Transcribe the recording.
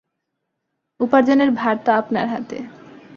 উপার্জনের ভার তো আপনার হাতে।